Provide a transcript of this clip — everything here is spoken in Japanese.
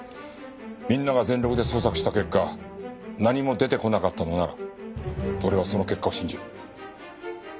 みんなが全力で捜索した結果何も出てこなかったのなら俺はその結果を信じる。